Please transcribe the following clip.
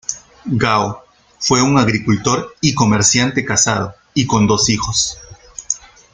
Gao, fue un agricultor y comerciante casado y con dos hijos.